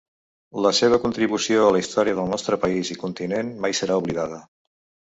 La seva contribució a la història del nostre país i continent mai serà oblidada.